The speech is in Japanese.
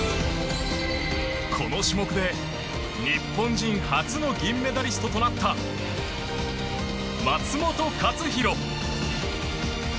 この種目で日本人初の銀メダリストとなった松元克央。